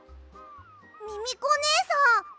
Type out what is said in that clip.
ミミコねえさん！